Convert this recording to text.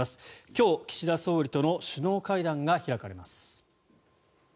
今日、岸田総理との首脳会談が開かれます。